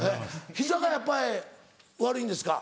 膝がやっぱり悪いんですか？